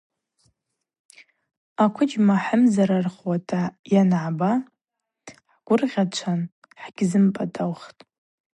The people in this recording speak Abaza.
Аквыджьма хӏымзарархауата йаныгӏба хӏгвыргъьачӏван хӏгьымпӏатӏаухтӏ.